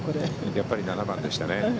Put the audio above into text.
やっぱり７番でしたね。